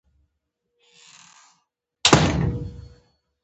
کلیوالو مبصرینو د سیاسي خبرو او واقعاتو په باره کې تبصرې کولې.